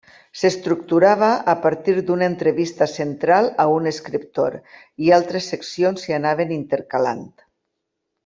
S'estructurava a partir d'una entrevista central a un escriptor i altres seccions s'hi anaven intercalant.